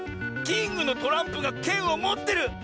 キングのトランプがけんをもってる！